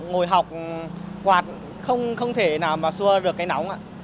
ngồi học quạt không thể nào mà xua được cái nóng ạ